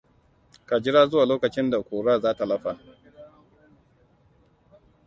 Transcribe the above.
Ka jira zuwa lokacin da ƙurar za ta lafa.